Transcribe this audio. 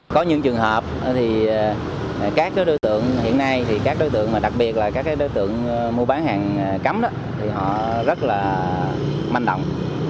có những trường hợp thì các đối tượng hiện nay thì các đối tượng đặc biệt là các đối tượng mua bán hàng cấm thì họ rất là manh động